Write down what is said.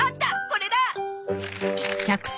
これだ！